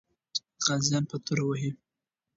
غازیان به توره وهي.